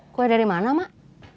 kue dari mana mak